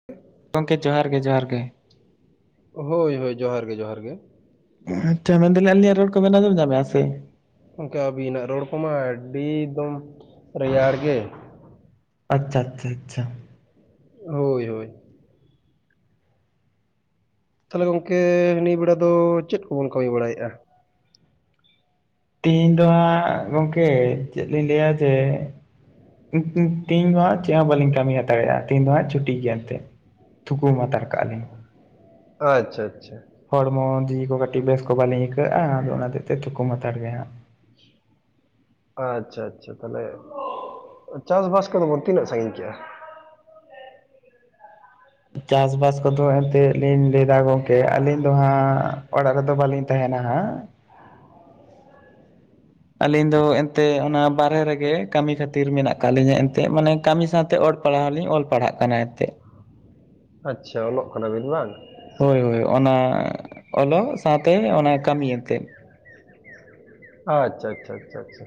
[unintelligible] ᱜᱚᱝᱠᱮ ᱡᱚᱦᱟᱨ ᱜᱮ ᱡᱚᱦᱟᱨ ᱜᱮ ᱦᱳᱭ ᱦᱳᱭ ᱡᱚᱦᱟᱨ ᱜᱮ ᱡᱚᱦᱟᱨ ᱜᱮ ᱟᱪᱪᱷᱟ ᱢᱮᱱ ᱫᱟᱞᱤᱧ ᱟᱹᱞᱤᱧ ᱟᱜ ᱨᱚᱲ ᱠᱚ ᱵᱤᱱ ᱟᱡᱚᱢ ᱧᱟᱢᱮ ᱮᱭᱟ ᱥᱮ ᱜᱚᱢᱠᱮ ᱟᱹᱵᱤᱱᱟᱜ ᱨᱚᱲ ᱠᱚᱢᱟ ᱟᱹᱰᱤ ᱮᱠᱫᱚᱢ ᱨᱮᱭᱟᱲ ᱜᱮ ᱟᱪᱪᱷᱟ ᱟᱪᱪᱷᱟ ᱟᱪᱪᱷᱟ ᱦᱳᱭ ᱦᱳᱭ ᱛᱟᱦᱚᱞᱮ ᱜᱚᱝᱠᱮ ᱱᱤᱭᱟᱹ ᱵᱮᱲᱟ ᱫᱚ ᱪᱮᱜ ᱠᱚᱵᱚᱱ ᱠᱟᱹᱢᱤ ᱵᱟᱲᱟᱭᱮᱜᱼᱟ ᱛᱤᱦᱤᱧ ᱫᱚ ᱦᱟᱸᱜ ᱜᱚᱝᱠᱮ ᱪᱮᱜ ᱞᱤᱧ ᱞᱟᱹᱭᱟ ᱡᱮ ᱛᱮᱦᱤᱧ ᱫᱚ ᱦᱟᱸᱜ ᱪᱮᱜ ᱦᱚᱸ ᱵᱟᱹᱞᱤᱧ ᱠᱟᱹᱢᱤ ᱦᱟᱛᱟᱲᱮᱜ ᱟ ᱛᱮᱦᱮᱧ ᱫᱚ ᱦᱟᱸᱜ ᱪᱷᱩᱴᱤ ᱜᱮᱭᱟ ᱮᱱᱛᱮ ᱛᱷᱩᱠᱩᱢ ᱦᱟᱛᱟᱲ ᱠᱟᱜᱼᱟ ᱞᱤᱧ ᱟᱪᱪᱷᱟ ᱟᱪᱪᱷᱟ ᱦᱚᱲᱢᱚ ᱡᱤᱣᱤ ᱠᱚ ᱠᱟᱹᱴᱤᱡ ᱵᱮᱥ ᱠᱚ ᱵᱟᱹᱞᱤᱧ ᱟᱹᱭᱠᱟᱹᱣᱮᱜ ᱟ ᱟᱫᱚ ᱚᱱᱟ ᱛᱮᱜ ᱛᱮ ᱛᱷᱩᱠᱟᱹᱢ ᱦᱟᱛᱟᱲ ᱜᱮ ᱦᱟᱸᱜ ᱟᱪᱪᱷᱟ ᱟᱪᱪᱷᱟ ᱛᱟᱦᱚᱞᱮ ᱪᱟᱥ ᱵᱟᱥ ᱠᱚᱫᱚ ᱵᱚᱱ ᱛᱤᱱᱟᱹᱜ ᱥᱟᱹᱜᱤᱧ ᱠᱮᱜᱼᱟ ᱪᱟᱥᱵᱟᱥ ᱠᱚᱫᱚ ᱮᱱᱛᱮᱜ ᱞᱤᱧ ᱞᱟᱹᱭ ᱫᱟ ᱜᱚᱝᱠᱮ ᱟᱹᱞᱤᱧ ᱫᱚ ᱦᱟᱸᱜ ᱚᱲᱟᱜ ᱨᱮᱫᱚ ᱵᱟᱹᱞᱤᱧ ᱛᱟᱦᱮᱱᱟ ᱦᱟᱸᱜ᱾ ᱟᱹᱞᱤᱧ ᱫᱚ ᱮᱱᱛᱮ ᱚᱱᱟ ᱵᱟᱨᱦᱮ ᱨᱮᱜᱮ ᱠᱟᱹᱢᱤ ᱠᱷᱟᱹᱛᱤᱨ ᱢᱮᱱᱟᱜ ᱠᱟᱜ ᱞᱤᱧᱟ ᱮᱱᱛᱮ ᱢᱟᱱᱮ ᱠᱟᱹᱢᱤ ᱥᱟᱶᱛᱮ ᱯᱟᱲᱦᱟᱣ ᱦᱚᱸᱞᱤᱧ ᱚᱞ ᱯᱟᱲᱦᱟᱜ ᱠᱟᱱᱟ ᱮᱱᱛᱮᱜ ᱟᱪᱪᱷᱟ ᱚᱞᱚᱜ ᱠᱟᱱᱟ ᱵᱤᱱ ᱵᱟᱝ ᱦᱳᱭ ᱦᱳᱭ ᱚᱱᱟ ᱚᱞᱚᱜ ᱥᱟᱶᱛᱮ ᱚᱱᱟ ᱠᱟᱹᱢᱤ ᱮᱱᱛᱮᱜ ᱟᱪᱪᱷᱟ ᱟᱪᱪᱷᱟ ᱟᱪᱪᱷᱟ ᱟᱪᱪᱷᱟ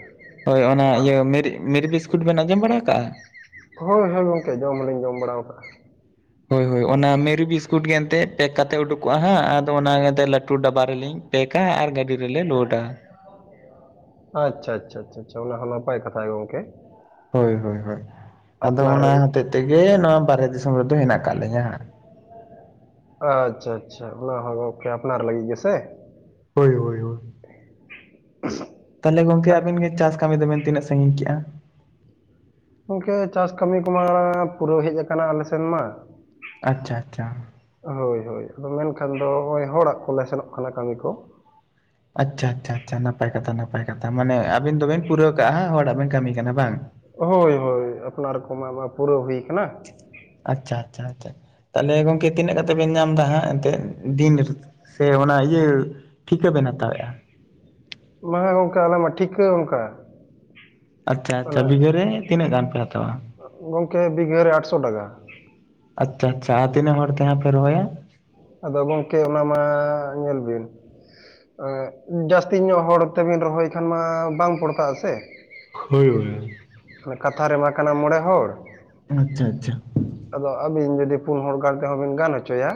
ᱦᱳᱭ ᱚᱱᱟ ᱤᱭᱟᱹ ᱢᱮᱨᱤ ᱢᱮᱨᱤ ᱵᱤᱥᱠᱩᱴ ᱵᱮᱱ ᱟᱸᱡᱚᱢ ᱵᱟᱲᱟ ᱠᱟᱜᱼᱟ ᱦᱳᱭ ᱦᱳᱭ ᱜᱚᱝᱠᱮ ᱡᱚᱢ ᱦᱚᱞᱤᱧ ᱡᱚᱢ ᱵᱟᱲᱟᱣ ᱟᱠᱟᱜ ᱟ ᱦᱳᱭ ᱦᱳᱭ ᱚᱱᱟ ᱢᱮᱨᱤ ᱵᱤᱥᱠᱩᱴ ᱜᱮ ᱮᱱᱛᱮᱜ ᱯᱮᱠ ᱠᱟᱛᱮᱜ ᱩᱰᱩᱠᱚᱜ ᱟ ᱦᱟᱸᱜ ᱟᱫᱚ ᱚᱱᱟ ᱮᱱᱛᱮ ᱴᱩ ᱰᱟᱵᱟ ᱨᱮᱞᱤᱧ ᱯᱮᱠᱟ ᱟᱨ ᱜᱟᱹᱰᱤ ᱨᱮᱞᱮ ᱞᱳᱰᱟ ᱟᱪᱪᱷᱟ ᱟᱪᱪᱷᱟ ᱟᱪᱷᱟ ᱟᱪᱷᱟ ᱚᱱᱟ ᱦᱚᱸ ᱱᱟᱯᱟᱭ ᱠᱟᱛᱷᱟ ᱜᱮ ᱜᱚᱝᱠᱮ ᱦᱳᱭ ᱦᱳᱭ ᱦᱳᱭ ᱟᱫᱚ ᱟᱯᱱᱟᱨ ᱚᱱᱟ ᱞᱟᱹᱜᱤᱫ ᱦᱚᱛᱮᱜ ᱛᱮᱜᱮ ᱱᱚᱣᱟ ᱵᱟᱨᱦᱮ ᱫᱤᱥᱚᱢ ᱨᱮᱫᱚ ᱦᱮᱱᱟᱜ ᱠᱟᱜ ᱞᱤᱧᱟᱹ ᱦᱟᱸᱜ ᱟᱪᱪᱷᱟ ᱟᱪᱪᱷᱟ ᱚᱱᱟ ᱦᱚᱸ ᱜᱚᱝᱠᱮ ᱟᱯᱱᱟᱨ ᱞᱟᱹᱜᱤᱜ ᱜᱮᱥᱮ ᱦᱳᱭ ᱦᱳᱭ ᱦᱳᱭ ᱛᱟᱦᱚᱞᱮ ᱜᱚᱝᱠᱮ ᱛᱟ- ᱟᱵᱤᱱ ᱜᱮ ᱪᱟᱥ ᱠᱟᱹᱢᱤ ᱫᱚᱵᱮᱱ ᱛᱤᱱᱟᱹᱜ ᱥᱟᱹᱜᱤᱧ ᱠᱮᱜ ᱟ ᱜᱚᱝᱠᱮ ᱪᱟᱥ ᱠᱟᱹᱢᱤ ᱠᱚᱢᱟ ᱯᱩᱨᱟᱹᱣ ᱦᱮᱡ ᱟᱠᱟᱱᱟ ᱟᱞᱮ ᱥᱮᱱ ᱢᱟ᱾ ᱟᱪᱪᱷᱟ ᱟᱪᱪᱷᱟ ᱦᱳᱭ ᱦᱳᱭ ᱟᱫᱚ ᱢᱮᱱᱠᱷᱟᱱ ᱫᱚ ᱦᱚᱜᱚᱭ ᱦᱚᱲᱟᱜ ᱠᱚᱞᱮ ᱥᱮᱱᱚᱜ ᱠᱟᱱᱟ ᱠᱟᱹᱢᱤ ᱠᱚ ᱟᱪᱪᱷᱟ ᱟᱪᱪᱷᱟ ᱟᱪᱪᱷᱟ ᱱᱟᱯᱟᱭ ᱠᱟᱛᱷᱟ ᱱᱟᱯᱟᱭ ᱠᱟᱛᱷᱟ ᱢᱟᱱᱮ ᱟᱵᱤᱱ ᱫᱚᱵᱤᱱ ᱯᱩᱨᱟᱹᱣ ᱠᱟᱜ ᱟ ᱦᱚᱲᱟᱜ ᱵᱮᱱ ᱠᱟᱹᱢᱤ ᱠᱟᱱᱟ ᱵᱟᱝ ᱦᱳᱭ ᱦᱳᱭ ᱟᱯᱱᱟᱨ ᱠᱚᱢᱟ ᱢᱟ ᱯᱩᱨᱟᱹᱣ ᱦᱩᱭ ᱠᱟᱱᱟ ᱟᱪᱪᱷᱟ ᱟᱪᱪᱷᱟ ᱟᱪᱪᱷᱟ ᱛᱟᱦᱞᱮ ᱜᱚᱝᱠᱮ ᱛᱤᱱᱟᱹᱜ ᱠᱟᱛᱮ ᱵᱮᱱ ᱧᱟᱢ ᱫᱟ ᱦᱟᱸᱜ ᱮᱱᱛᱮᱜ ᱫᱤᱱ ᱨᱮ ᱫᱚ ᱥᱮ ᱚᱱᱟ ᱤᱭᱟᱹ ᱴᱷᱤᱠᱟᱹ ᱵᱮᱱ ᱦᱟᱛᱟᱣᱮᱜᱼᱟ ᱵᱟᱸᱝᱟ ᱜᱚᱝᱠᱮ ᱟᱞᱮ ᱢᱟ ᱴᱷᱤᱠᱟᱹ ᱚᱱᱠᱟ ᱟᱪᱪᱷᱟ ᱟᱪᱪᱷᱟ ᱚᱱᱮ ᱵᱤᱜᱷᱟᱹ ᱨᱮ ᱛᱤᱱᱟᱹᱜ ᱜᱟᱱ ᱯᱮ ᱦᱟᱛᱟᱣᱟ। ᱜᱚᱝᱠᱮ ᱵᱤᱜᱷᱟᱹ ᱨᱮ ᱟᱴᱥᱚ ᱴᱟᱠᱟ। ᱟᱪᱪᱷᱟ ᱟᱪᱪᱷᱟ ᱟᱨ ᱛᱤᱱᱟ. ᱜ ᱦᱚᱲ ᱛᱮᱦᱟᱸᱜ ᱯᱮ ᱨᱚᱦᱚᱭᱟ? ᱟᱫᱚ ᱜᱚᱝᱠᱮ ᱚᱱᱟ ᱢᱟ ᱧᱮᱞ ᱵᱤᱱ ᱡᱟᱹᱥᱛᱤ ᱧᱚᱜ ᱦᱚᱲ ᱛᱮᱵᱤᱱ ᱨᱚᱦᱚᱭ ᱠᱷᱟᱱ ᱢᱟ ᱵᱟᱝ ᱯᱚᱲᱛᱟᱜ ᱟᱥᱮ ᱦᱳᱭ ᱵᱚᱭᱦᱟ ᱚᱱᱟ ᱠᱟᱛᱷᱟ ᱨᱮᱢᱟ ᱠᱟᱱᱟ ᱢᱚᱬᱮ ᱦᱚᱲ ᱟᱪᱪᱷᱟ ᱟᱪᱪᱷᱟ ᱟᱫᱚ ᱟᱵᱤᱱ ᱡᱩᱫᱤ ᱯᱩᱱ ᱦᱚᱲ ᱜᱟᱱ ᱛᱮᱦᱚᱸ ᱵᱤᱱ ᱜᱟᱱ ᱦᱚᱪᱚᱭᱟ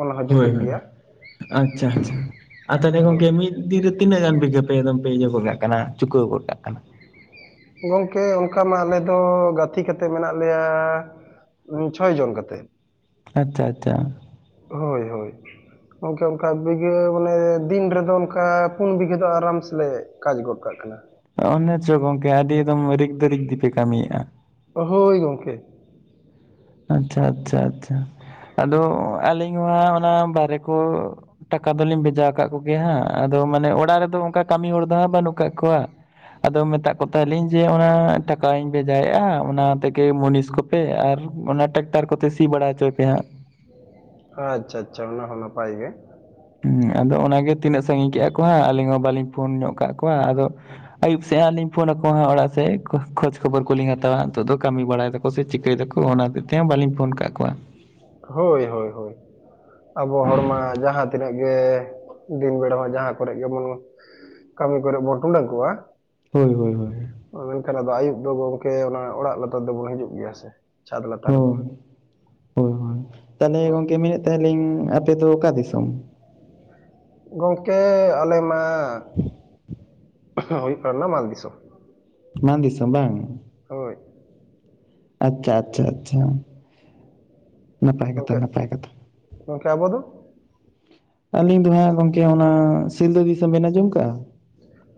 ᱚᱱᱟ ᱦᱚᱸ ᱦᱳᱭ ᱡᱩᱛᱩᱜ ᱦᱳᱭ ᱜᱮᱭᱟ ᱟᱪᱪᱷᱟ ᱟᱪᱪᱷᱟ ᱟᱨ ᱛᱟᱦᱚᱞᱮ ᱦᱳᱭ ᱜᱚᱝᱠᱮ ᱢᱤᱫ ᱫᱤᱱᱨᱮ ᱛᱤᱱᱟᱹᱜ ᱜᱟᱱ ᱵᱤᱜᱷᱟᱹ ᱯᱮ ᱮᱠᱫᱚᱢ ᱯᱮ ᱤᱭᱟᱹ ᱜᱚᱫ ᱠᱟᱜ ᱠᱟᱱᱟ ᱪᱩᱠᱟᱹᱣ ᱜᱚᱫ ᱠᱟᱜ ᱠᱟᱱᱟ ᱜᱚᱝᱠᱮ ᱚᱱᱠᱟ ᱢᱟ ᱟᱞᱮ ᱫᱚ ᱜᱟᱛᱮ ᱠᱟᱛᱮᱫ ᱢᱮᱱᱟᱜ ᱞᱮᱭᱟ ᱪᱷᱚᱭ ᱡᱚᱱ ᱠᱟᱛᱮᱜ ᱟᱪᱪᱷᱟ ᱟᱪᱪᱷᱟ ᱦᱳᱭ ᱦᱳᱭ ᱜᱚᱝᱠᱮ ᱚᱱᱠᱟ ᱵᱤᱜᱷᱟᱹ ᱵᱚᱞᱮ ᱫᱤᱱ ᱨᱮᱫᱚ ᱚᱱᱠᱟ ᱯᱩᱱ ᱵᱤᱜᱷᱟᱹ ᱫᱚ ᱟᱨᱟᱢ ᱥᱮᱞᱮ ᱠᱟᱡᱽ ᱜᱚᱫ ᱠᱟᱜ ᱠᱟᱱᱟ ᱚᱱᱮ ᱪᱚ ᱜᱚᱝᱠᱮ ᱟᱹᱰᱤ ᱮᱠᱫᱚᱢ ᱨᱤᱠᱫᱟᱹ ᱨᱮᱠᱫᱤ ᱜᱮᱯᱮ ᱠᱟᱹᱢᱤᱭᱮᱜᱼᱟ। ᱚ ᱦᱳᱭ ᱜᱚᱝᱠᱮ᱾ ᱟᱪᱪᱷᱟ ᱟᱪᱪᱷᱟ ᱟᱪᱪᱷᱟ ᱟᱫᱚ ᱟᱹᱞᱤᱧ ᱢᱟ ᱚᱱᱟ ᱵᱟᱭᱨᱮ ᱠᱚ ᱴᱟᱠᱟ ᱫᱚᱞᱤᱧ ᱵᱷᱮᱡᱟ ᱟᱠᱟᱫ ᱠᱚᱜᱮᱭᱟ ᱦᱟᱸᱜ ᱟᱫᱚ ᱢᱟᱱᱮ ᱚᱲᱟᱜ ᱨᱮᱫᱚ ᱚᱱᱠᱟ ᱠᱟᱹᱢᱤ ᱦᱚᱲ ᱫᱚ ᱦᱟᱸᱜ ᱵᱟᱹᱱᱩᱜ ᱠᱟᱜ ᱠᱚᱣᱟ᱾ ᱟᱫᱚ ᱢᱮᱛᱟᱜ ᱠᱚ ᱛᱟᱦᱮ ᱞᱤᱧ ᱡᱮ ᱚᱱᱟ ᱴᱟᱠᱟᱧ ᱵᱷᱮᱡᱟᱭᱮᱫᱼᱟ ᱚᱱᱟ ᱛᱮᱜᱮ ᱢᱩᱱᱤᱥ ᱠᱚᱯᱮ ᱟᱨ ᱚᱱᱟ ᱴᱮᱠᱴᱟᱨ ᱠᱚᱛᱮ ᱥᱤ ᱵᱟᱲᱟᱭ ᱦᱚᱪᱚᱭ ᱯᱮ ᱦᱟᱸᱜ᱾ ᱟᱪᱪᱷᱟ ᱟᱪᱪᱷᱟ ᱚᱱᱟ ᱦᱚᱸ ᱱᱟᱯᱟᱭ ᱜᱮ ᱦᱮᱸ ᱟᱫᱚ ᱚᱱᱟᱜᱮ ᱛᱤᱱᱟᱹᱜ ᱥᱟᱺᱜᱤᱧ ᱠᱮᱫᱼᱟ ᱠᱚ ᱦᱟᱸᱜ ᱟᱹᱞᱤᱧ ᱦᱚᱸ ᱵᱟᱞᱤᱧ ᱯᱷᱳᱱ ᱧᱚᱜ ᱠᱟᱜ ᱠᱚᱣᱟ ᱟᱫᱚ ᱟᱹᱭᱩᱵ ᱥᱮᱫ ᱦᱟᱸᱜ ᱞᱤᱧ ᱯᱷᱳᱱ ᱟᱠᱚᱣᱟ ᱦᱟᱸᱜ ᱚᱲᱟᱜ ᱥᱮᱫ᱾ ᱠᱷᱚᱡᱽ ᱠᱷᱚᱵᱚᱨ ᱠᱚᱞᱤᱧ ᱦᱟᱛᱟᱣᱟ ᱱᱤᱛᱚᱜ ᱫᱚ ᱠᱟᱹᱢᱤ ᱵᱟᱲᱟᱭ ᱫᱟᱠᱚ ᱥᱮ ᱪᱤᱠᱟᱹᱭ ᱫᱟᱠᱚ ᱚᱱᱟ ᱦᱚᱛᱮᱡ ᱛᱮᱦᱟᱸᱜ ᱵᱟᱹᱞᱤᱧ ᱯᱷᱳᱱ ᱠᱟᱜ ᱠᱚᱣᱟ᱾ ᱦᱳᱭ ᱦᱳᱭ ᱦᱳᱭ ᱟᱵᱚ ᱦᱚᱲᱢᱟ ᱡᱟᱦᱟᱸ ᱛᱤᱱᱟᱹᱜ ᱜᱮ ᱫᱤᱱ ᱵᱮᱲᱟ ᱢᱟ ᱡᱟᱦᱟᱸ ᱠᱚᱨᱮ ᱜᱮᱵᱚᱱ ᱠᱟᱹᱢᱤ ᱠᱚᱨᱮ ᱵᱚᱱ ᱴᱩᱸᱰᱟᱝ ᱠᱚᱣᱟ᱾ ᱦᱳᱭ ᱦᱳᱭ ᱦᱳᱭ ᱢᱮᱱᱠᱷᱟᱱ ᱟᱫᱚ ᱟᱭᱩᱵ ᱫᱚ ᱜᱚᱝᱠᱮ ᱚᱱᱟ ᱚᱲᱟᱜ ᱞᱟᱛᱟᱨ ᱫᱚᱵᱚᱱ ᱦᱤᱡᱩᱜ ᱜᱮᱭᱟ ᱥᱮ ᱪᱷᱟᱫᱽ ᱞᱟᱛᱟᱨ ᱨᱮᱫᱚ ᱦᱳᱭ ᱦᱳᱭ ᱦᱳᱭ, ᱛᱟᱦᱚᱞᱮ ᱜᱚᱝᱠᱮ ᱢᱮᱱᱮᱫ ᱛᱟᱦᱮᱞᱤᱧ ᱟᱯᱮ ᱫᱚ ᱚᱠᱟ ᱫᱤᱥᱚᱢ? ᱜᱚᱝᱠᱮ ᱟᱞᱮ ᱢᱟ ᱦᱩᱭᱩᱜ ᱠᱟᱱᱟ ᱱᱟᱢᱟᱞ ᱫᱤᱥᱚᱢ। ᱢᱟᱱ ᱫᱤᱥᱚᱢ ᱵᱟᱝ ᱦᱳᱭ ᱟᱪᱪᱷᱟ ᱟᱪᱪᱷᱟ ᱟᱪᱪᱷᱟ ᱱᱟᱯᱟᱭ ᱠᱟᱛᱷᱟ ᱜᱚᱝᱠᱮ ᱱᱟᱯᱟᱭ ᱠᱟᱛᱷᱟ। ᱜᱚᱝᱠᱮ ᱟᱵᱚ ᱫᱚ ᱟᱹᱞᱤᱧ ᱫᱚ ᱦᱟᱸᱜ ᱜᱚᱝᱠᱮ ᱚᱱᱟ ᱥᱤᱞᱫᱟᱹ ᱫᱤᱥᱚᱢ ᱵᱮᱱ ᱟᱸᱡᱚᱢ ᱠᱟᱜᱼᱟ।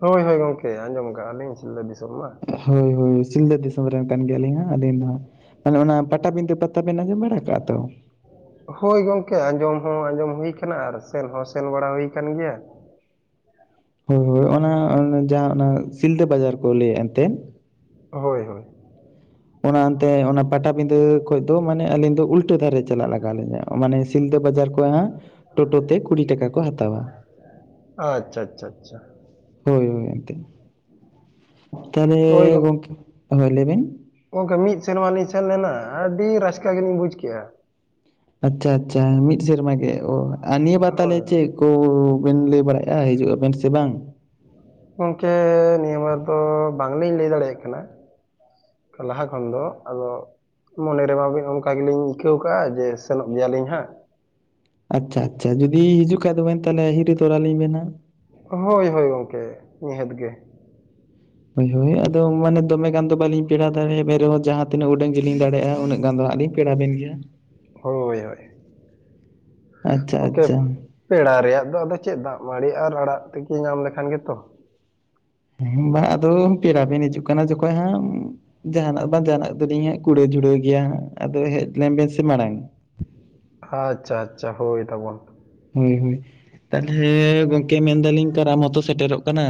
ᱦᱳᱭ ᱦᱳᱭ ᱜᱚᱢᱠᱮ ᱟᱸᱡᱚᱢ ᱠᱟᱜᱼᱟ ᱞᱤᱧ ᱥᱤᱞᱫᱟᱹ ᱫᱤᱥᱚᱢ ᱢᱟ। ᱦᱳᱭ ᱦᱳᱭ ᱥᱤᱞᱫᱟᱹ ᱫᱤᱥᱚᱢ ᱨᱮᱱ ᱠᱟᱱ ᱜᱮᱭᱟᱞᱤᱧ ᱦᱟᱸᱜ ᱟᱹᱞᱤᱧ ᱫᱚ ᱦᱟᱸᱜ। ᱟᱞᱮ ᱚᱱᱟ ᱯᱟᱴᱟᱵᱤᱱᱸᱫᱟᱹ ᱯᱟᱛᱟ ᱵᱮᱱ ᱟᱸᱡᱚᱢ ᱵᱟᱲᱟ ᱠᱟᱜᱼᱟ ᱛᱚ। ᱦᱳᱭ ᱜᱚᱝᱠᱮ ᱟᱸᱡᱚᱢ ᱦᱚᱸ ᱟᱸᱡᱚᱢ ᱦᱩᱭ ᱠᱟᱱᱟ ᱟᱨ ᱥᱮᱱ ᱦᱚᱸ ᱥᱮᱱ ᱵᱟᱲᱟ ᱦᱩᱭ ᱠᱟᱱ ᱜᱮᱭᱟ। ᱦᱳᱭ ᱦᱳᱭ ᱚᱱᱟ ᱡᱟᱦᱟᱸ ᱚᱱᱟ ᱥᱤᱞᱫᱟᱹ ᱵᱟᱡᱟᱨ ᱠᱚ ᱞᱟᱹᱭᱮᱫ ᱮᱱᱛᱮᱫ ᱦᱳᱭ ᱦᱳᱭ ᱚᱱᱟ ᱚᱱᱛᱮ ᱚᱱᱟ ᱯᱟᱴᱟᱵᱤᱸᱫᱟᱹ ᱠᱷᱚᱡ ᱫᱚ ᱢᱟᱱᱮ ᱟᱹᱞᱤᱧ ᱫᱚ ᱩᱞᱴᱟᱹ ᱫᱷᱟᱨᱮ ᱪᱟᱞᱟᱜ ᱞᱟᱜᱟᱣ ᱞᱤᱧᱟ ᱢᱟᱱᱮ ᱥᱤᱫ ᱵᱟᱡᱟ ᱠᱷᱚᱡ ᱦᱟᱸᱜ ᱴᱳᱴᱳ ᱛᱮ ᱠᱩᱲᱤ ᱴᱟᱠᱟ ᱠᱚ ᱦᱟᱛᱟᱣᱟ। ᱟᱪᱪᱷᱟ ᱟᱪᱪᱷᱟ ᱟᱪᱪᱷᱟ ᱦᱳᱭ ᱦᱳᱭ ᱮᱱᱛᱮ। ᱛᱟᱦᱚᱞᱮ ᱜᱚᱝᱠᱮ ᱦᱳᱭ ᱞᱟᱹᱭ ᱵᱤᱱ ᱜᱚᱢᱠᱮ ᱢᱤᱫ ᱥᱮᱨᱢᱟ ᱞᱤᱧ ᱥᱮᱱ ᱞᱮᱱᱟ ᱟᱹᱰᱤ ᱨᱟᱹᱥᱠᱟᱹ ᱜᱮᱞᱤᱧ ᱵᱩᱡᱽ ᱠᱮᱫ-ᱟ᱾ ᱟᱪᱪᱷᱟ ᱟᱪᱪᱷᱟ ᱢᱤᱫ ᱥᱮᱨᱢᱟ ᱜᱮ ᱚ ᱟᱨ ᱱᱤᱭᱟᱹ ᱵᱟᱨ ᱛᱟᱦᱚᱞᱮ ᱦᱳᱭ ᱪᱮᱫ ᱠᱚ ᱵᱮᱱ ᱞᱟᱹᱭ ᱵᱟᱲᱟᱭᱮᱫᱼᱟ ᱦᱤᱡᱩᱜ ᱟᱵᱮᱱ ᱥᱮ ᱵᱟᱝ ᱜᱚᱢᱠᱮ ᱱᱤᱭᱟᱹ ᱵᱟᱨ ᱫᱚ ᱵᱟᱝ ᱞᱤᱧ ᱞᱟᱹᱭ ᱫᱟᱲᱮᱭᱟᱜ ᱠᱟᱱᱟ᱾ ᱞᱟᱦᱟ ᱠᱷᱚᱱ ᱫᱚ ᱟᱫᱚ ᱢᱚᱱᱮ ᱨᱮᱢᱟ ᱚᱱᱠᱟ ᱜᱮᱞᱤᱧ ᱟᱹᱭᱠᱟᱹᱣ ᱠᱟᱜᱼᱟ ᱡᱮ ᱥᱮᱱᱚᱜ ᱜᱮᱭᱟᱞᱤᱧ ᱦᱟᱸᱜ ᱟᱪᱪᱷᱟ ᱟᱪᱪᱷᱟ ᱡᱩᱫᱤ ᱦᱤᱡᱩᱜ ᱠᱷᱟᱱ ᱫᱚᱵᱮᱱ ᱛᱟᱦᱚᱞᱮ ᱦᱤᱨᱤ ᱛᱚᱨᱟᱞᱤᱧ ᱵᱮᱱᱟᱸᱜ ᱦᱳᱭ ᱦᱳᱭ ᱜᱚᱢᱠᱮ ᱱᱤᱦᱟᱹᱛ ᱜᱮ ᱦᱳᱭ ᱦᱳᱭ ᱟᱫᱚ ᱢᱟᱱᱮ ᱫᱚᱢᱮ ᱜᱟᱱ ᱫᱚ ᱵᱟᱞᱤᱧ ᱯᱮᱲᱟ ᱫᱟᱲᱮᱭᱟᱜᱼᱟ ᱮ ᱨᱮᱦᱚᱸ ᱡᱟᱦᱟᱸ ᱛᱤᱱᱟᱹᱜ ᱩᱰᱟᱹᱜ ᱜᱤᱞᱤᱧ ᱫᱟᱲᱮᱭᱟᱜᱼᱟ ᱩᱱᱟᱹᱜ ᱜᱟᱱ ᱫᱚ ᱦᱟᱸᱜ ᱞᱤᱧ ᱯᱮᱲᱟ ᱵᱤᱱ ᱜᱮᱭᱟ ᱦᱳᱭ ᱦᱳᱭ ᱟᱪᱪᱷᱟ ᱳᱠ ᱟᱪᱪᱷᱟ ᱯᱮᱲᱟ ᱨᱮᱭᱟᱜ ᱫᱚ ᱟᱫᱚ ᱪᱮᱫ ᱫᱟᱜ ᱢᱟᱹᱲᱤ ᱟᱨ ᱟᱲᱟᱜ ᱛᱮᱠᱤ ᱧᱟᱢ ᱞᱮᱠᱷᱟᱱ ᱜᱮᱛᱚ ᱦᱮᱸ ᱵᱟᱝ ᱟᱫᱚ ᱯᱮᱲᱟ ᱵᱤᱱ ᱦᱤᱡᱩᱜ ᱠᱟᱱᱟ ᱡᱚᱠᱷᱚᱱ ᱦᱟᱸᱜ ᱡᱟᱦᱟᱱᱟᱜ ᱵᱟᱝ ᱡᱟᱦᱟᱱᱟᱜ ᱫᱚᱞᱤᱧ ᱦᱟᱸᱜ ᱠᱩᱲᱟᱹ ᱡᱷᱩᱲᱟᱹᱣ ᱜᱮᱭᱟ ᱦᱟᱸᱜ ᱟᱫᱚ ᱦᱮᱡ ᱞᱮᱱ ᱵᱤᱱ ᱥᱮ ᱢᱟᱲᱟᱝ ᱟᱪᱪᱷᱟ ᱟᱪᱪᱷᱟ ᱦᱳᱭ ᱛᱟᱵᱚᱱ ᱦᱳᱭ ᱦᱳᱭ ᱛᱟᱦᱚᱞᱮ ᱜᱚᱝᱠᱮ ᱢᱮᱱᱫᱟᱞᱤᱧ ᱠᱟᱨᱟᱢ ᱢᱟᱛᱚ ᱥᱮᱴᱮᱨᱚᱜ ᱠᱟᱱᱟ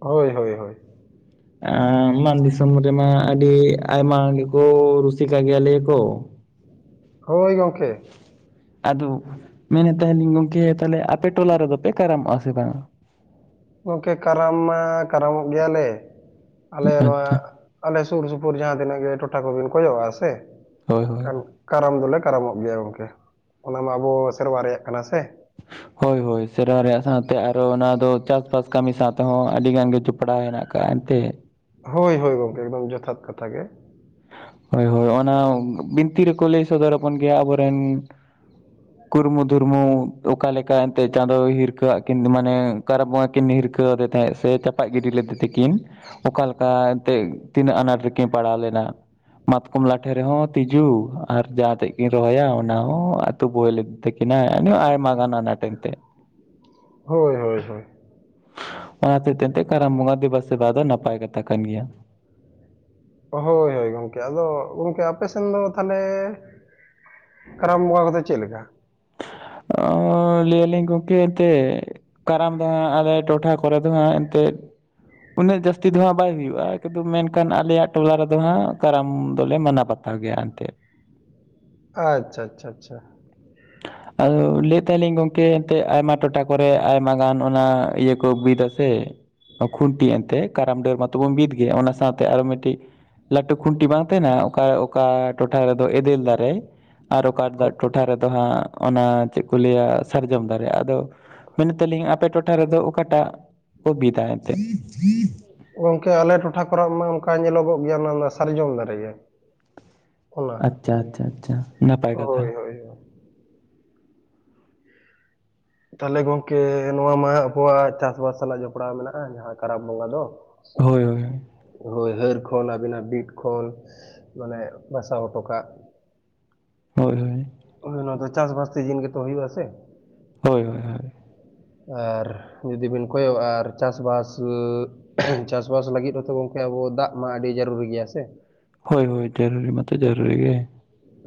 ᱦᱳᱭ ᱦᱳᱭ ᱢᱟᱱ ᱫᱤᱥᱚᱢ ᱨᱮᱢᱟ ᱟᱹᱰᱤ ᱟᱭᱢᱟ ᱜᱮᱠᱚ ᱨᱩᱥᱤᱠᱟ ᱜᱮᱭᱟ ᱞᱟᱹᱭ ᱟᱠᱚ ᱦᱳᱭ ᱜᱚᱢᱠᱮ ᱟᱫᱚ ᱢᱮᱱᱮᱫ ᱛᱟᱦᱮᱱᱤᱧ ᱜᱚᱢᱠᱮ ᱛᱟᱦᱚᱞᱮ ᱟᱯᱮ ᱴᱚᱞᱟ ᱨᱮᱫᱚ ᱯᱮ ᱠᱟᱨᱟᱢᱚᱜᱼᱟ ᱥᱮ ᱵᱟᱝ-ᱟ᱾ ᱜᱚᱢᱠᱮ ᱠᱟᱨᱟᱢ ᱢᱟ ᱠᱟᱨᱟᱢᱚᱜ ᱜᱮᱭᱟᱞᱮ ᱟᱞᱮ ᱱᱚᱣᱟ ᱟᱪᱪᱷᱟ ᱟᱞᱮ ᱥᱩᱨ ᱥᱩᱯᱩᱨ ᱡᱟᱦᱟᱸ ᱛᱤᱱᱟᱹᱜ ᱜᱮ ᱴᱚᱴᱷᱟ ᱠᱚᱵᱤᱱ ᱠᱷᱚᱡᱚᱜᱼᱟ ᱥᱮ ᱮ ᱦᱳᱭ ᱦᱳᱭ ᱠᱷᱟᱱ ᱠᱟᱨᱟᱢ ᱫᱚᱞᱮ ᱠᱟᱨᱟᱢᱚᱜ ᱜᱮᱭᱟ ᱜᱚᱢᱠᱮ ᱚᱱᱟ ᱢᱟ ᱟᱵᱚ ᱥᱮᱨᱣᱟ ᱨᱮᱭᱟᱜ ᱠᱟᱱᱟ ᱥᱮ ᱦᱳᱭ ᱦᱳᱭ ᱥᱮᱨᱣᱟ ᱨᱮᱭᱟᱜ ᱥᱟᱶᱛᱮ ᱟᱨᱚ ᱚᱱᱟ ᱫᱚ ᱪᱟᱥ ᱵᱟᱥ ᱠᱟᱹᱢᱤ ᱥᱟᱶᱛᱮᱦᱚᱸ ᱟᱹᱰᱤ ᱜᱟᱱ ᱜᱮ ᱡᱚᱯᱲᱟᱣ ᱦᱮᱱᱟᱜ ᱟᱠᱟᱜᱼᱟ ᱮᱱᱛᱮᱫ ᱦᱳᱭ ᱦᱳᱭ ᱜᱚᱢᱠᱮ ᱮᱠᱫᱚᱢ ᱡᱚᱛᱷᱟᱛ ᱠᱟᱛᱷᱟ ᱜᱮ ᱦᱳᱭ ᱦᱳᱭ ᱚᱱᱟ ᱵᱤᱱᱛᱤ ᱨᱮᱠᱚ ᱞᱟᱹᱭ ᱥᱚᱫᱚᱨᱟᱵᱚᱱ ᱜᱮᱭᱟ ᱟᱵᱚᱨᱮᱱ [inaudible] ᱠᱩᱨᱢᱩ ᱫᱷᱩᱨᱢᱩ ᱚᱠᱟ ᱞᱮᱠᱟ ᱮᱱᱛᱮᱫ ᱪᱟᱸᱫᱳ ᱦᱤᱨ ᱠᱷᱟᱹᱜᱣᱟᱜ ᱠᱤᱱ ᱢᱟᱱᱮ ᱠᱟᱨᱟ ᱵᱚᱸ ᱠᱤᱱ ᱦᱤᱨᱠᱟᱹᱣ ᱟᱫᱮ ᱛᱟᱦᱮᱸᱫ ᱥᱮ ᱪᱟᱯᱟᱜ ᱜᱤᱰᱤ ᱞᱮᱫᱮ ᱛᱮ ᱟᱹᱠᱤᱱ ᱚᱠᱟᱮᱠᱟ ᱮᱱᱛᱮᱫ ᱛᱤᱱᱟᱹᱜ ᱟᱱᱟᱴ ᱨᱮᱠᱤᱱ ᱯᱟᱲᱟᱣ ᱞᱮᱱᱟ ᱢᱟᱛᱠᱚᱢ ᱞᱟᱴᱷᱮ ᱨᱮᱦᱚᱸ ᱛᱤᱡᱩ ᱟᱨ ᱡᱟᱦᱟᱸ ᱛᱮᱡ ᱠᱤᱱ ᱨᱚᱦᱚᱭᱟ ᱚᱱᱟ ᱦᱚᱸ ᱟᱹᱛᱩ ᱵᱚᱦᱮᱞ ᱤᱫᱤ ᱛᱟᱹᱠᱤᱱ ᱛᱟᱦᱮᱱᱟ ᱟᱭᱢᱟ ᱜᱟᱱ ᱟᱱᱟᱴ ᱮᱱᱫᱛᱮ ᱦᱳᱭ ᱦᱳᱭ ᱦᱳᱭ ᱚᱱᱟ ᱦᱚᱛᱮᱡ ᱛᱮ ᱮᱱᱛᱮ ᱠᱟᱨᱟᱢ ᱵᱚᱸᱜᱟ ᱫᱮᱵᱟ ᱥᱮᱵᱟ ᱫᱚ ᱱᱟᱯᱟᱭ ᱠᱟᱛᱷᱟ ᱠᱟᱱ ᱜᱮᱭᱟ ᱦᱳᱭ ᱦᱳᱭ ᱜᱚᱝᱠᱮ ᱟᱫᱚ ᱜᱚᱝᱠᱮ ᱟᱯᱮ ᱥᱮᱱ ᱫᱚ ᱛᱟᱦᱚᱞᱮ ᱠᱟᱨᱟᱢ ᱵᱚᱸᱜᱟ ᱠᱚᱫᱚ ᱪᱮᱫ ᱞᱮᱠᱟ ᱟᱸᱻ ᱞᱟᱹᱭᱟᱞᱤᱧ ᱜᱚᱝᱠᱮ ᱮᱱᱛᱜ ᱠᱟᱨᱟᱢ ᱫᱚ ᱦᱟᱸᱜ ᱟᱞᱮ ᱴᱚᱴᱷᱟ ᱠᱚᱨᱮ ᱫᱚ ᱦᱟᱸᱜ ᱮᱱᱛᱜ ᱩᱱᱟᱹᱜ ᱡᱟᱹᱥᱛᱤ ᱫᱚ ᱦᱟᱸᱜ ᱵᱟᱭ ᱦᱩᱭᱩᱜᱼᱟ ᱠᱩᱫᱩ ᱢᱮᱱᱠᱷᱟᱱ ᱟᱞᱮᱭᱟᱜ ᱴᱚᱞᱟ ᱨᱮᱫᱚ ᱦᱟᱸᱜ ᱠᱟᱨᱟᱢ ᱫᱚᱞᱮ ᱢᱟᱱᱟᱣ ᱵᱟᱛᱟᱣ ᱜᱮᱭᱟ ᱮᱱᱛᱮᱫ ᱟᱪᱪᱷᱟ ᱟᱪᱪᱷᱟ ᱟᱪᱪᱷᱟ ᱟᱫᱚ ᱞᱟᱹᱭ ᱛᱟᱦᱮᱜᱞᱤᱧ ᱜᱚᱝᱠᱮ ᱮᱱᱛᱮᱫ ᱟᱭᱢᱟ ᱴᱚᱴᱷᱟ ᱠᱚᱨᱮ ᱟᱭᱢᱟ ᱜᱟᱱ ᱚᱱᱟ ᱤᱭᱟᱹ ᱠᱚ ᱵᱤᱫᱟᱹ ᱥᱮ ᱠᱷᱩᱱᱴᱤ ᱮᱱᱛᱮ ᱠᱟᱨᱟᱢ ᱰᱟᱹᱨ ᱢᱟᱛᱚᱵᱚᱱ ᱵᱤᱫ ᱜᱮᱭᱟ ᱚᱱᱟ ᱥᱟᱶᱛᱮ ᱟᱨᱚ ᱢᱤᱫᱴᱤᱡ ᱞᱟᱹᱴᱩ ᱠᱷᱩᱱᱴᱤ ᱵᱟᱝ ᱛᱟᱦᱮᱱᱟ ᱚᱠᱟ ᱚᱠᱟ ᱴᱚᱴᱷᱟ ᱨᱮᱫᱚ ᱮᱫᱮᱞ ᱫᱟᱨᱮ ᱟᱨ ᱚᱠᱟ ᱦᱳ- ᱴᱚᱴᱷᱟ ᱨᱮᱫᱚ ᱦᱟᱸᱜ ᱚᱱᱟ ᱪᱮᱫ ᱠᱚ ᱞᱟᱹᱭᱟ ᱥᱟᱨᱡᱚᱢ ᱫᱟᱨᱮ ᱟᱫᱚ ᱢᱮᱱᱮᱫᱟᱞᱤᱧ ᱟᱯᱮ ᱴᱚᱴᱷᱟ ᱨᱮᱫᱚ ᱚᱠᱟᱴᱟᱜ ᱠᱚ ᱵᱤᱫᱟ ᱮᱱᱛᱮᱫ ᱜᱚᱝᱠᱮ ᱟᱞᱮ ᱴᱚᱴᱷᱟ ᱠᱚᱨᱮ ᱢᱟ ᱚᱱᱠᱟ ᱧᱮᱞᱚᱜᱚᱜ ᱜᱮᱭᱟ ᱚᱱᱟ ᱥᱟᱨᱡᱚᱢ ᱫᱟᱨᱮ ᱜᱮ ᱚᱱᱟ ᱟᱪᱪᱷᱟ ᱟᱪᱪᱷᱟ ᱟᱪᱪᱷᱟ ᱱᱟᱯᱟᱭ ᱠᱟᱛᱷᱟ ᱦᱳᱭ ᱦᱳᱭ ᱛᱟᱦᱚᱞᱮ ᱜᱚᱝᱠᱮ ᱱᱚᱣᱟ ᱢᱟ ᱟᱵᱚᱣᱟᱜ ᱪᱟᱥᱵᱟᱥ ᱥᱟᱞᱟᱜ ᱡᱚᱯᱲᱟᱣ ᱢᱮᱱᱟᱜᱼᱟ ᱡᱟᱦᱟᱸ ᱠᱟᱨᱟᱢ ᱵᱚᱸᱜᱟ ᱫᱚ ᱦᱳᱭ ᱦᱳᱭ ᱦᱳᱭ ᱦᱟᱹᱨ ᱠᱷᱚᱱ ᱟᱹᱵᱤᱱᱟᱜ ᱵᱤᱫ ᱠᱷᱚᱱ ᱢᱟᱱᱮ ᱵᱟᱥᱟᱣ ᱦᱚᱴᱚ ᱠᱟᱜ ᱦᱳᱭ ᱦᱳᱭ ᱦᱳᱭ ᱚᱱᱟ ᱫᱚ ᱪᱟᱥᱵᱟᱥ ᱛᱮ ᱥᱤᱡᱤᱱ ᱜᱮᱛᱚ ᱦᱩᱭᱩᱜᱼᱟ ᱥᱮ ᱾ ᱦᱳᱭ ᱦᱳᱭ ᱦᱳᱭ ᱟᱨ ᱡᱩᱫᱤ ᱵᱤᱱ ᱠᱚᱭᱚᱜᱼᱟ ᱟᱨ ᱪᱟᱥᱵᱟᱥ ᱪᱟᱥᱵᱟᱥ ᱞᱟᱹᱜᱤᱫ ᱦᱚᱸᱛᱚ ᱜᱚᱝᱠᱮ ᱟᱵᱚ ᱫᱟᱜᱽ ᱢᱟ ᱟᱹᱰᱤ ᱡᱟᱹᱨᱩᱲᱤ ᱜᱮᱭᱟ ᱥᱮ᱾ ᱦᱳᱭ ᱦᱳᱭ ᱡᱟᱹᱨᱩᱲᱤ ᱢᱟ ᱛᱚ ᱡᱟᱹᱨᱩᱲᱤ ᱜᱮᱭᱟ᱾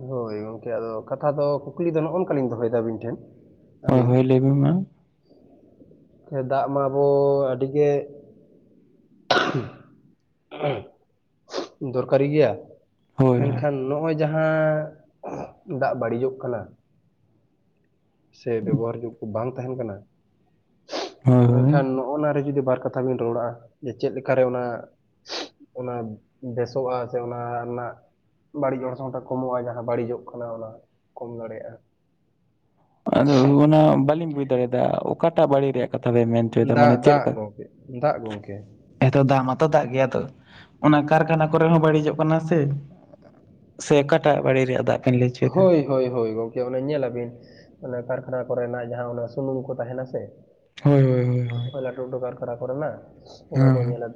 ᱦᱳᱭ ᱜᱚᱝᱠᱮ ᱟᱫᱚ ᱠᱟᱛᱷᱟ ᱫᱚ ᱠᱩᱠᱞᱤ ᱫᱚ ᱱᱚᱜᱼᱚ ᱱᱚᱝᱠᱟᱞᱤᱧ ᱫᱚᱦᱚᱭᱮᱫᱟ ᱟᱹᱵᱤᱱ ᱴᱷᱮᱱ ᱦᱳᱭ ᱟᱹᱞᱤᱧ ᱦᱳᱭ ᱞᱟᱹᱭ ᱵᱤᱱ ᱢᱟ ᱾ ᱫᱟᱜ ᱢᱟ ᱟᱵᱚ ᱟᱹᱰᱤ ᱜᱮ [inaudible] ᱫᱚᱨᱠᱟᱨᱤ ᱜᱮᱭᱟ ᱾ ᱦᱳᱭ ᱦᱳᱭ ᱢᱮᱱᱠᱷᱟᱱ ᱱᱚᱜᱼᱚᱭ ᱡᱟᱦᱟᱸ ᱫᱟᱜ ᱵᱟᱹᱲᱤᱡᱚᱜ ᱠᱟᱱᱟ ᱥᱮ ᱵᱮᱵᱚᱦᱟᱨ ᱡᱩᱜ ᱠᱚ ᱵᱟᱝ ᱛᱟᱦᱮᱱ ᱠᱟᱱᱟ ᱦᱳᱭ ᱢᱮᱱᱠᱷᱟᱱ ᱦᱳᱭ ᱱᱚᱜᱼᱚ ᱱᱟ ᱨᱮ ᱡᱩᱫᱤ ᱵᱟᱨ ᱠᱟ ᱛᱷᱟ ᱵᱤᱱ ᱨᱚᱲᱟᱼᱟ ᱡᱮ ᱪᱮᱫ ᱠᱟᱨᱮ ᱚᱱᱟ ᱚᱱᱟ ᱵᱮᱥᱚᱜᱼᱟ ᱥᱮ ᱚᱱᱟ ᱨᱮᱱᱟᱜ ᱵᱟᱹᱲᱤᱡ ᱚᱨᱥᱚᱝᱴᱟᱜ ᱠᱚᱢᱚᱜᱼᱟ ᱡᱟᱦᱟᱸ ᱵᱟᱹᱲᱤᱡᱚᱜ ᱠᱟᱱᱟ ᱚᱱᱟ ᱠᱚᱢ ᱫᱟᱲᱮᱭᱟᱜᱼᱟ᱾ ᱟᱫᱚ ᱚᱱᱟ ᱵᱟᱞᱤᱝ ᱵᱩᱡ ᱫᱟᱲᱮᱭᱟᱫᱟ ᱚᱠᱟᱴᱟ ᱵᱟᱹᱲᱤ ᱨᱮᱭᱟᱜ ᱠᱟᱛᱷᱟ ᱵᱮᱱ ᱢᱮᱱ ᱦᱚᱪᱚᱭᱫᱟ ᱫᱟᱜ ᱢᱟᱱᱮ ᱪᱮᱫ ᱫᱟᱜ ᱞᱮᱠᱟ? ᱜᱚᱝᱠᱮ ᱫᱟᱜ ᱜᱚᱝᱠᱮ [inaudible] ᱦᱮᱸ ᱛᱚ ᱫᱟᱜ ᱢᱟᱛᱚ ᱫᱟᱜ ᱜᱮᱭᱟ ᱛᱚ ᱚᱱᱟ ᱠᱟᱨᱠᱷᱟᱱᱟ ᱠᱚᱨᱮ ᱦᱚᱸ ᱵᱟᱹᱲᱤᱡᱚᱜ ᱠᱟᱱᱟ ᱥᱮ᱾ ᱥᱮ ᱚᱠᱟᱴᱟᱜ ᱵᱟᱲᱤᱡ ᱨᱮᱭᱟᱜ ᱫᱟ ᱦᱳᱭ ᱦᱳᱭ ᱦᱳᱭ ᱜᱚᱝᱠᱮ ᱚᱱᱮ ᱧᱮᱞᱟᱵᱤᱱ ᱟᱵᱤᱱ ᱠᱟᱨᱠᱷᱟᱱᱟ ᱠᱚᱨᱮᱱᱟᱜ ᱡᱟᱦᱟᱸ ᱚᱱᱟ ᱥᱩᱱᱩᱢ ᱠᱚ ᱛᱟᱦᱮᱸᱱᱟ ᱥᱮ ᱦᱳᱭ ᱦᱳᱭ ᱦᱳᱭ ᱞᱟᱴᱷᱩ ᱞᱟᱴᱷᱩ ᱠᱟᱨᱠᱷᱟᱱᱟ ᱠᱚᱨᱮᱱᱟᱜ ᱦᱳᱭ ᱦᱳᱭ ᱚᱱᱟ ᱦᱳᱭ ᱠᱚ ᱦᱮᱸ ᱧᱮᱞᱟ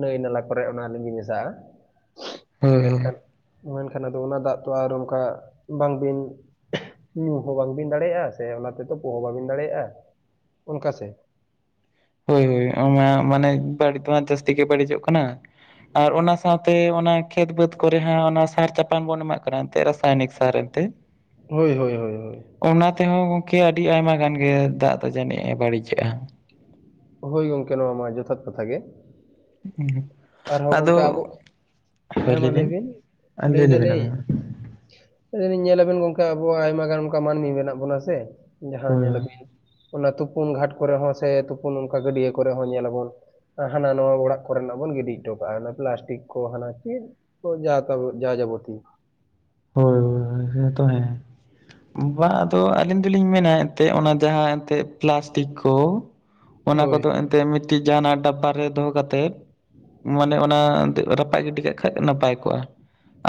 ᱱᱟᱹᱭ ᱱᱟᱞᱟ ᱠᱚᱨᱮ ᱚᱱᱟ ᱞᱤᱸᱜᱤ ᱢᱮᱥᱟᱜᱼᱟ ᱦᱳᱭ ᱢᱮᱱᱠᱷᱟᱱ ᱦᱳᱭ ᱢᱟ ᱮᱱᱠᱷᱟᱱ ᱟᱫᱚ ᱚᱱᱟ ᱫᱟᱜ ᱫᱚ ᱟᱨᱚ ᱚᱱᱠᱟ ᱵᱟᱝᱵᱤᱱ ᱧᱩ ᱦᱚᱸ ᱵᱟᱝᱵᱤᱱ ᱫᱟᱲᱮᱭᱟᱜᱼᱟ ᱥᱮ ᱚᱱᱟ ᱛᱮ ᱛᱳᱯᱳ ᱦᱚᱸ ᱵᱟᱵᱤᱱ ᱫᱟᱲᱮᱭᱟᱜᱼᱟ᱾ ᱚᱱᱠᱟ ᱥᱮ ᱦᱳᱭ ᱦᱳᱭ ᱚᱱᱟ ᱢᱟᱱᱮ ᱵᱟᱹᱲᱤᱡ ᱫᱚ ᱡᱟᱹᱥᱛᱤ ᱜᱮ ᱵᱟᱹᱲᱤᱡᱚᱜ ᱠᱟᱱᱟ᱾ ᱟᱨ ᱚᱱᱟ ᱥᱟᱶᱛᱮ ᱚᱱᱟ ᱠᱷᱮᱛ ᱵᱟᱹᱫᱽ ᱠᱚᱨᱮ ᱦᱚᱸ ᱚᱱᱟ ᱥᱟᱨ ᱪᱟᱯᱟᱱ ᱵᱚᱱ ᱮᱢᱟᱜ ᱠᱟᱱᱟ ᱮᱱᱛᱮᱫ ᱨᱟᱥᱟᱭᱱᱤᱠ ᱥᱟᱨ ᱛᱮ ᱦᱳᱭ ᱦᱳᱭ ᱦᱳᱭ ᱦᱳᱭ ᱚᱱᱟ ᱛᱮᱦᱚᱸ ᱜᱚᱝᱠᱮ ᱟᱹᱰᱤ ᱟᱭᱢᱟ ᱜᱟᱱ ᱜᱮ ᱫᱟᱜ ᱫᱚ ᱡᱟᱹᱱᱤᱡ ᱮ ᱵᱟᱹᱲᱤᱡᱮᱜᱼᱟ᱾ ᱦᱳᱭ ᱜᱚᱢᱠᱮ ᱱᱚᱣᱟ ᱢᱟ ᱡᱚᱛᱷᱟᱛ ᱠᱟᱛᱷᱟ ᱜᱮ᱾ ᱟᱨᱦᱚᱸ ᱟᱫᱚ ᱜᱚᱢᱠᱮ ᱟᱵᱚ ᱦᱳᱭ ᱦᱮᱸ ᱢᱟ ᱞᱟᱹᱭ ᱞᱟᱹᱭᱵᱤᱱ ᱵᱤᱱ ᱞᱟᱹᱭ ᱞᱮᱵᱤᱱ ᱟᱹᱵᱤᱱ ᱢᱟ ᱤᱧ ᱧᱮᱞᱟᱵᱮᱱ ᱜᱚᱝᱠᱮ ᱟᱵᱚᱣᱟᱜ ᱟᱭᱢᱟ ᱜᱟᱱ ᱚᱱᱠᱟ ᱢᱟᱹᱱᱢᱤ ᱢᱮᱱᱟᱜ ᱵᱚᱱᱟ ᱥᱮ᱾ ᱡᱟᱦᱟᱸ ᱦᱳᱭ ᱧᱮᱞᱟᱵᱤᱱ ᱚᱱᱟ ᱛᱩᱯᱩᱱ ᱜᱷᱟᱴ ᱠᱚᱨᱮ ᱦᱚᱸ ᱥᱮ ᱛᱩᱯᱩᱱ ᱚᱱᱠᱟ ᱜᱟᱹᱰᱤᱭᱟᱹ ᱠᱚᱨᱮ ᱦᱚᱸ ᱧᱮᱞᱟᱵᱚᱱ ᱦᱟᱱᱟ ᱱᱟᱣᱟ ᱚᱲᱟᱜ ᱠᱚᱨᱮᱱᱟᱜ ᱵᱚᱱ ᱜᱤᱰᱤ ᱦᱚᱴᱚ ᱠᱟᱜᱼᱟ ᱦᱟᱱᱟ ᱯᱞᱟᱥᱴᱤᱠ ᱠᱚ ᱦᱟᱱᱟ ᱪᱮᱫᱠᱚ ᱡᱟ ᱡᱟᱵᱚᱛᱤ ᱦᱳᱭ ᱦᱳᱭ ᱦᱛ ᱛᱚ ᱦᱮᱸ ᱵᱟᱝ ᱟᱫᱚ ᱟᱹᱞᱤᱧ ᱫᱚᱞᱤᱧ ᱢᱮᱱᱟ ᱮᱱᱛᱮᱫ ᱚᱱᱟ ᱡᱟᱦᱟᱸ ᱮᱱᱛᱮᱫ ᱯᱞᱟᱥᱴᱤᱠ ᱠᱚ ᱚᱱᱟ ᱦᱳᱭ ᱠᱚᱫᱚ ᱮᱱᱛᱮᱫ ᱢᱤᱫᱴᱤᱡ ᱡᱟᱦᱟᱱᱟᱜ ᱰᱟᱵᱵᱟ ᱨᱮ ᱫᱚᱦᱚ ᱠᱟᱛᱮᱫ ᱢᱟᱱᱮ ᱚᱱᱟ ᱨᱟᱯᱟᱜ ᱜᱤᱰᱤ ᱠᱟᱜ ᱠᱷᱟᱡ ᱱᱟᱯᱟᱭ ᱠᱚᱜᱼᱟ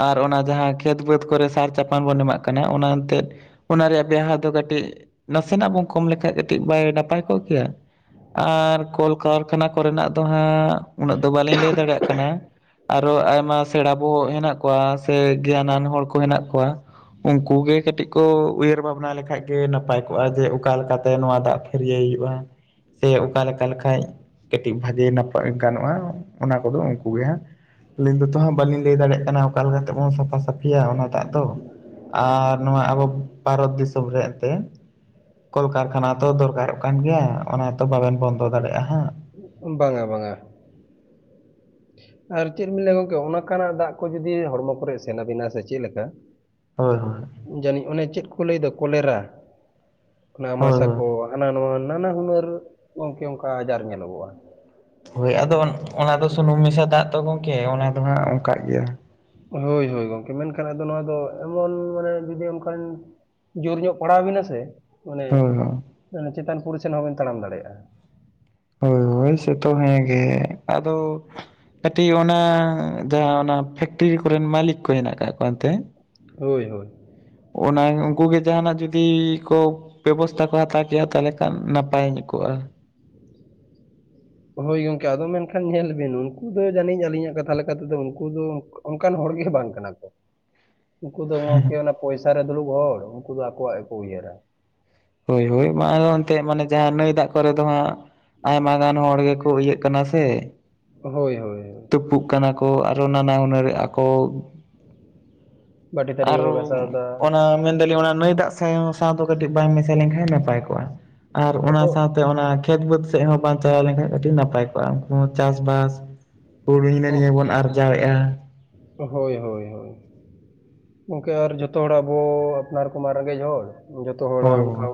ᱟᱨ ᱚᱱᱟ ᱡᱟᱦᱟᱸ ᱠᱷᱮᱛ ᱵᱟᱹᱫᱽ ᱠᱚᱨᱮ ᱥᱟᱨ ᱪᱟᱯᱟᱱ ᱵᱚᱱ ᱮᱢᱟᱜ ᱠᱟᱱᱟ ᱚᱱᱟ ᱮᱱᱛᱮᱫ ᱚᱱᱟ ᱨᱮᱭᱟᱜ ᱵᱮᱣᱦᱟᱨ ᱫᱚ ᱠᱟᱹᱴᱤᱡ ᱱᱟᱥᱮᱱᱟᱜ ᱵᱚᱱ ᱠᱚᱢ ᱞᱮᱠᱷᱟᱡ ᱠᱟᱹᱴᱤᱡ ᱵᱟᱭ ᱱᱟᱯᱟᱭ ᱠᱚᱜ ᱜᱮᱭᱟ ᱟᱨ ᱠᱚᱞ ᱠᱟᱨᱠᱷᱟᱱᱟ ᱠᱚᱨᱮᱱᱟᱜ ᱫᱚ ᱦᱟᱸᱜ ᱩᱱᱟᱹᱜ ᱫᱚ ᱵᱟᱹᱞᱤᱧ ᱞᱟᱹᱭ ᱫᱟᱲᱮᱭᱟᱜ ᱠᱟᱱᱟ ᱟᱨᱚ ᱟᱭᱢᱟ ᱥᱮᱬᱟ ᱵᱚᱦᱚᱜ ᱦᱮᱱᱟᱜ ᱠᱚᱣᱟ ᱥᱮ ᱜᱮᱭᱟᱱᱟᱱ ᱦᱚᱲ ᱠᱚ ᱦᱮᱱᱟᱜ ᱠᱚᱣᱟ ᱩᱱᱠᱩ ᱜᱮ ᱠᱟᱹᱴᱤᱡ ᱠᱚ ᱩᱭᱦᱟᱹᱨ ᱵᱷᱟᱵᱽᱱᱟ ᱞᱮᱠᱷᱟᱡ ᱜᱮ ᱱᱟᱯᱟᱭ ᱠᱚᱜᱼᱟ ᱡᱮ ᱚᱠᱟ ᱞᱮᱠᱟᱛᱮ ᱱᱚᱣᱟ ᱫᱟᱜ ᱯᱷᱟᱹᱨᱭᱟᱹᱭ ᱦᱩᱭᱩᱜᱼᱟ ᱥᱮ ᱚᱠᱟ ᱞᱮᱠᱟ ᱞᱮᱠᱷᱟᱡ ᱠᱟᱹᱴᱤᱡ ᱵᱷᱟᱜᱮ ᱱᱟᱯᱟᱭ ᱜᱟᱱᱚᱜᱼᱟ ᱚᱱᱟ ᱠᱚᱫᱚ ᱩᱱᱠᱩ ᱜᱮ ᱦᱟᱸᱜ ᱟᱹᱞᱤᱧ ᱫᱚ ᱦᱟᱸᱜ ᱵᱟᱹᱞᱤᱧ ᱞᱟᱹᱭ ᱫᱟᱲᱮᱭᱟᱜ ᱠᱟᱱᱟ ᱚᱠᱟ ᱞᱮᱠᱟ ᱞᱮᱠᱟᱛᱮ ᱵᱚᱱ ᱥᱟᱼᱼ ᱼᱼᱯᱷᱟ ᱥᱟᱹᱯᱷᱤᱭᱟ ᱚᱱᱟ ᱫᱟᱜ ᱫᱚ ᱟᱨ ᱱᱚᱣᱟ ᱟᱵᱚ ᱵᱷᱟᱨᱚᱛ ᱫᱤᱥᱚᱢ ᱨᱮ ᱮᱱᱛᱮ ᱠᱚᱞ ᱠᱟᱨᱠᱷᱟᱱᱟ ᱛᱚ ᱫᱚᱨᱠᱟᱨᱚᱜ ᱠᱟᱱ ᱜᱮᱭᱟ ᱚᱱᱟ ᱛᱚ ᱵᱟᱵᱮᱱ ᱵᱚᱱᱫᱚ ᱫᱟᱲᱮᱭᱟᱜᱼᱟ ᱦᱟᱸᱜ ᱵᱟᱝᱟ ᱵᱟᱝᱟ ᱟᱨ ᱪᱮᱫ ᱵᱤᱱ ᱞᱟᱹᱭᱟ ᱜᱚᱝᱠᱮ ᱚᱱᱠᱟᱱᱟᱜ ᱫᱟᱜ ᱠᱚ ᱡᱩᱫᱤ ᱦᱚᱲᱢᱚ ᱠᱚᱨᱮ ᱥᱮᱱ ᱟᱹᱵᱤᱱᱟ ᱥᱮ ᱪᱮᱫ ᱞᱮᱠᱟ ᱦᱳᱭ ᱦᱳᱭ ᱡᱟᱹᱱᱤᱡ ᱚᱱᱮ ᱪᱮᱫ ᱠᱚ ᱞᱟᱹᱭᱟ ᱠᱚᱞᱮᱨᱟ ᱚᱱᱟ ᱦᱳᱭ ᱟᱢᱟᱥᱟ ᱦᱳᱭ ᱠᱚ ᱦᱟᱱᱟ ᱱᱟᱣᱟ ᱱᱟᱱᱟ ᱦᱩᱱᱟᱹᱨ ᱜᱚᱝᱠᱮ ᱚᱱᱠᱟ ᱟᱡᱟᱨ ᱧᱮᱞᱚᱜᱚᱜᱼᱟ ᱦᱳᱭ ᱟᱫᱚ ᱚᱱᱟ ᱫᱚ ᱥᱩᱱᱩᱢ ᱢᱮᱥᱟ ᱫᱟᱜ ᱛᱚ ᱜᱚᱝᱠᱮ ᱚᱱᱟ ᱫᱚ ᱦᱟᱸᱜ ᱚᱱᱠᱟᱜ ᱜᱮᱭᱟ ᱦᱳᱭ ᱦᱳᱭ ᱜᱚᱢᱠᱮ ᱢᱮᱱᱠᱷᱟᱱ ᱟᱫᱚ ᱱᱚᱣᱟ ᱫᱚ ᱮᱢᱚᱱ ᱢᱟᱱᱮ ᱡᱩᱫᱤ ᱚᱱᱠᱟ ᱡᱳᱨ ᱧᱚᱜ ᱯᱟᱲᱟᱣ ᱟᱵᱤᱱᱟ ᱥᱮ ᱢᱟᱱᱮ ᱦᱳᱭ ᱦᱳᱭ ᱪᱮᱛᱟᱱ ᱯᱩᱨᱤᱥᱮᱱ ᱦᱚᱸᱵᱤᱱ ᱛᱟᱲᱟᱢ ᱫᱟᱲᱮᱭᱟᱜᱼᱟ ᱦᱳᱭ ᱦᱳᱭ ᱥᱮᱛᱚ ᱦᱮᱸ ᱜᱮ ᱟᱫᱚ ᱠᱟᱹᱴᱤᱡ ᱚᱱᱟ ᱡᱟᱦᱟᱸ ᱚᱱᱟ ᱯᱷᱮᱠᱴᱨᱤ ᱠᱚᱨᱮᱱ ᱢᱟᱞᱤᱠ ᱠᱚ ᱦᱮᱱᱟᱜ ᱟᱠᱟᱫ ᱠᱚᱣᱟ ᱮᱱᱛᱮ ᱦᱳᱭ ᱦᱳᱭ ᱚᱱᱟ ᱩᱱᱠᱩ ᱜᱮ ᱡᱟᱦᱟᱱᱟᱜ ᱡᱩᱫᱤ ᱠᱚ ᱵᱮᱵᱚᱥᱛᱷᱟ ᱠᱚ ᱦᱟᱛᱟᱣ ᱠᱮᱭᱟ ᱛᱟᱦᱚᱞᱮ ᱠᱷᱟᱱ ᱱᱟᱯᱟᱭ ᱧᱚᱜ ᱠᱚᱜᱼᱟ ᱦᱳᱭ ᱜᱚᱝᱠᱮ ᱟᱫᱚ ᱢᱮᱱᱠᱷᱟᱱ ᱧᱮᱞ ᱵᱤᱱ ᱩᱱᱠᱩ ᱫᱚ ᱡᱟᱹᱱᱤᱡ ᱟᱹᱞᱤᱧᱟᱜ ᱠᱟᱛᱷᱟ ᱞᱮᱠᱟᱛᱮ ᱫᱚ ᱩᱱᱠᱩ ᱫᱚ ᱚᱱᱠᱟᱱ ᱦᱚᱲ ᱜᱮ ᱵᱟᱝ ᱠᱟᱱᱟ ᱠᱚ ᱩᱱᱠᱩ ᱫᱚ ᱜᱚᱝᱠᱮ ᱯᱚᱭᱥᱟ ᱨᱮ ᱫᱩᱲᱩᱵ ᱦᱚᱲ ᱩᱱᱠᱩ ᱫᱚ ᱟᱠᱚᱣᱟᱜ ᱜᱮᱠᱚ ᱩᱭᱦᱟᱹᱨᱟ ᱦᱳᱭ ᱦᱳᱭ ᱢᱟ ᱟᱫᱚ ᱮᱱᱛᱮ ᱢᱟᱱᱮ ᱡᱟᱦᱟᱸ ᱱᱟᱹᱭ ᱫᱟᱜ ᱠᱚᱨᱮ ᱫᱚ ᱦᱟᱸᱜ ᱟᱭᱢᱟ ᱜᱟᱱ ᱦᱚᱲ ᱜᱮᱠᱚ ᱤᱭᱟᱹᱜ ᱠᱟᱱᱟ ᱥᱮ ᱦᱳᱭ ᱦᱳᱭ ᱛᱩᱯᱩᱜ ᱠᱟᱱᱟ ᱠᱚ ᱟᱨᱚ ᱱᱟᱱᱟ ᱦᱩᱱᱟᱹᱨ ᱮᱫᱟᱠᱚ ᱵᱟᱹᱴᱤ ᱛᱷᱟᱹᱨᱤ ᱟᱨ ᱠᱚ ᱜᱷᱟᱥᱟᱣ ᱫᱟ ᱚᱱᱟ ᱢᱮᱱᱫᱟᱞᱤᱧ ᱚᱱᱟ ᱱᱟᱹᱭ ᱫᱟᱜ ᱥᱟᱶ ᱫᱚ ᱠᱟᱹᱴᱤᱡ ᱵᱟᱭ ᱢᱮᱥᱟ ᱞᱮᱱᱠᱷᱟᱱ ᱱᱟᱯᱟᱭ ᱠᱚᱜᱼᱟ ᱟᱨ ᱚᱱᱟ ᱥᱟᱶ ᱛᱮ ᱚᱱᱟ ᱠᱷᱮᱛ ᱵᱟᱹᱫᱽ ᱥᱮᱫ ᱦᱚᱸ ᱵᱟᱝ ᱪᱟᱞᱟᱣ ᱞᱮᱱᱠᱷᱟᱡ ᱟᱹᱰᱤ ᱱᱟᱯᱟᱭ ᱠᱚᱜᱼᱟ ᱪᱟᱥᱵᱟᱥ ᱦᱩᱲᱩ ᱦᱤᱱᱟ ᱱᱤᱭᱟᱹ ᱵᱚᱱ ᱟᱨᱡᱟᱣᱮᱫᱼᱟ ᱦᱳᱭ ᱦᱳᱭ ᱦᱳᱭ ᱜᱚᱝᱠᱮ ᱟᱨ ᱡᱚᱛᱚ ᱦᱚᱲ ᱟᱵᱚ ᱟᱯᱱᱟᱨ ᱠᱚᱢᱟ ᱨᱮᱸᱜᱮᱡ ᱦᱚᱲ ᱡᱚᱛᱚ ᱦᱚᱲᱟᱜ ᱦᱳᱭ ᱚᱱᱠᱟ ᱦᱳᱭ